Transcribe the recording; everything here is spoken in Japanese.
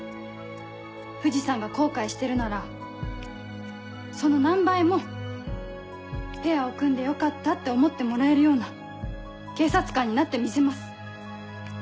藤さんが後悔してるならその何倍もペアを組んでよかったって思ってもらえるような警察官になってみせます。